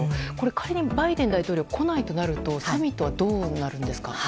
仮にバイデン大統領が来ないとなるとサミットはどうなるんですか？